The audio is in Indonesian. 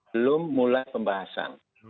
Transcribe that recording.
belum mulai pembahasan